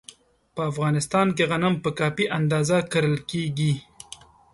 په افغانستان کې غنم په کافي اندازه کرل کېږي.